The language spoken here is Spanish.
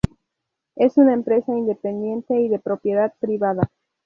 Es una empresa independiente y de propiedad privada.